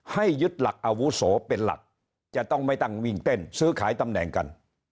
ยึดหลักอาวุโสเป็นหลักจะต้องไม่ตั้งวิ่งเต้นซื้อขายตำแหน่งกัน